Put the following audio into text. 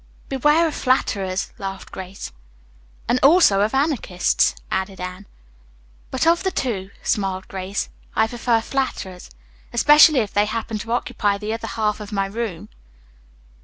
"Beware of flatterers," laughed Grace. "And also of Anarchists," added Anne. "But of the two," smiled Grace, "I prefer flatterers, especially if they happen to occupy the other half of my room."